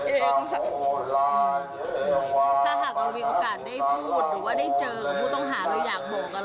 ถ้าหากเรามีโอกาสได้พูดหรือว่าได้เจอผู้ต้องหาเราอยากบอกอะไร